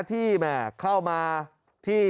ที่เข้ามาที่